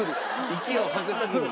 息を吐く時に。